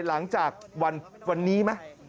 หลังจากวันนี้ไหม